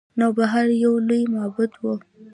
نوبهار یو لوی معبد و